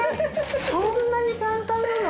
そんなに簡単なの！？